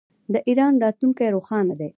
د ایران راتلونکی روښانه دی.